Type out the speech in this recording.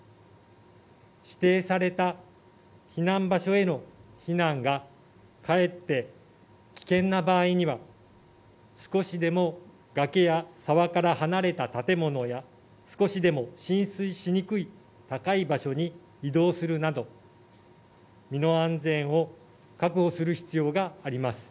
指定された避難場所への避難がかえって危険な場合には、少しでも崖や沢から離れた建物や少しでも浸水しにくい高い場所に移動するなど、身の安全を確保する必要があります。